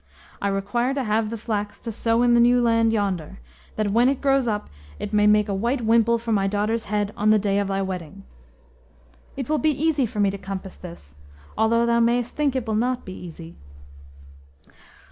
I require to have the flax to sow in the new land yonder, that when it grows up it may make a white wimple for my daughter's head on the day of thy wedding." "It will be easy for me to compass this, although thou mayest think it will not be easy."